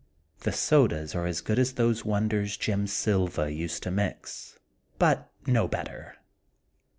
The sodas are as good as those wonders Jim Sylva used to mix, but no better.